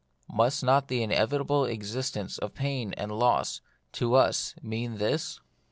Must not the inevitable existence of pain and loss, to us, mean this